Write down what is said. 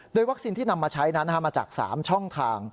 โดยวัคซีนที่นำมาใช้นั้นมาจาก๓ช่องทาง